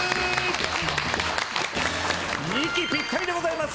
息ぴったりでございます。